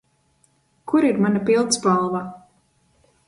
Kur ir mana pildspalva?